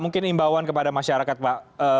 mungkin imbauan kepada masyarakat pak